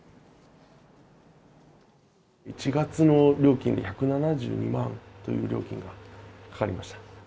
１月の料金、１７２万という料金がかかりました。